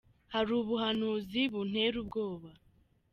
Hari ubuhanuzi buntera ubwoba.